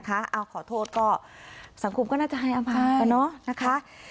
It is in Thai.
เอาขอโทษก็สังคมก็น่าจะให้อภัยกันเนอะนะคะ